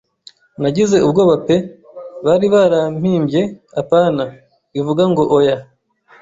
nagize ubwoba pe, bari barampimbye "apana" bivuga ngo "oya",